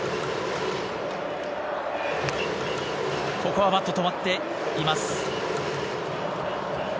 ここはバット止まっています。